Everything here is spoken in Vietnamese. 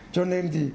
cho nên thì